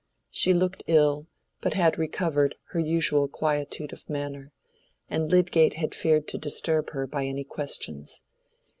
She looked ill, but had recovered her usual quietude of manner, and Lydgate had feared to disturb her by any questions.